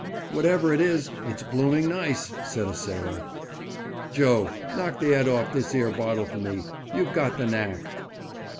Whatever it is, it's blooming nice,' said a sailor. 'Joe, knock the 'ead off this 'ere bottle for me; you've got the knack.'